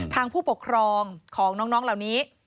ผู้ปกครองของน้องเหล่านี้